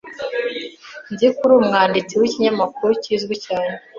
Nzi ko uri umwanditsi w'ikinyamakuru kizwi cyane.